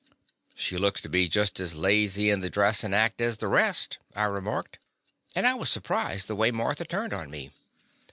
"She looks to be just as lazy in the dressin' act as the rest," I remarked, and I was surprised, the way Marthy turned on me.